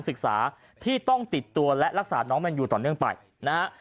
ศึกษาที่ต้องติดตัวและรักษาน้องแมนยูต่อเนื่องไปนะฮะ